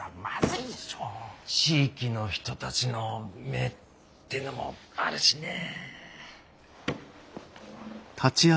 地域の人たちの目ってのもあるしねえ。